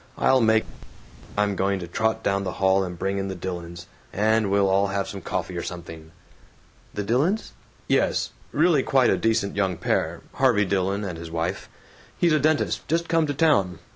I'll make I'm going to trot down the hall and bring in the Dillons, and we'll all have coffee or something." "The Dillons?" "Yes. Really quite a decent young pair Harvey Dillon and his wife. He's a dentist, just come to town.